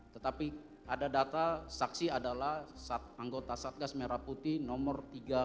tetapi ada data saksi adalah anggota kasatgas merah putih nomor tiga ratus dua